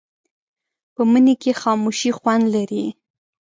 په مني کې خاموشي خوند لري